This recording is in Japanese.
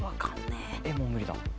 もう無理だ。